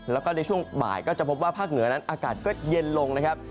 แล้วก็ในช่วงบ่ายก็จะพบว่าภาคเหนือนั้นอากาศก็เย็นลงนะครับ